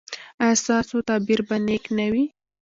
ایا ستاسو تعبیر به نیک نه وي؟